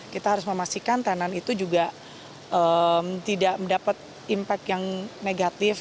kita harus memastikan tenan itu juga tidak mendapat impact yang negatif